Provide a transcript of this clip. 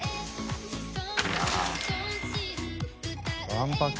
わんぱく。